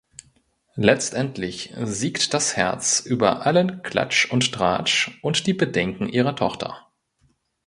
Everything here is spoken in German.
Letztendlich siegt das Herz über allen Klatsch und Tratsch und die Bedenken ihrer Tochter.